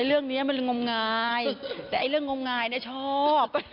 อันเรื่องนี้มันมืองมงายแต่งงมงายเนี่ยชอบ